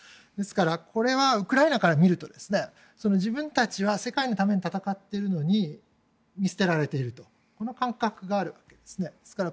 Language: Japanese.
ですからこれはウクライナから見ると自分たちは世界のために戦っているのに見捨てられているとこの感覚があるんです。